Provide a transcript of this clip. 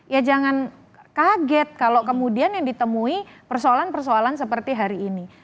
ya jangan kaget kalau kemudian yang ditemui persoalan persoalan seperti hari ini